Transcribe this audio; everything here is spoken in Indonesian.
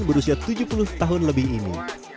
berusia tujuh puluh tahun lebih ini